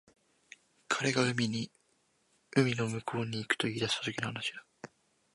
彼が海の向こうに行くと言い出したときの話だ